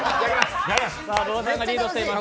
馬場さんがリードしています。